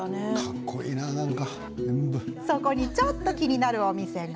そこに、ちょっと気になるお店が。